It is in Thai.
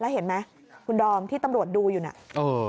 แล้วเห็นไหมคุณดอมที่ตำรวจดูอยู่น่ะเออ